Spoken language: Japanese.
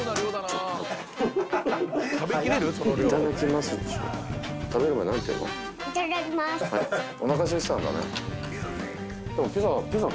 食べる前何て言うの？